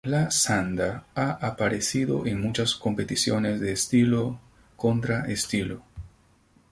La Sanda ha aparecido en muchas competiciones de estilo-contra-estilo.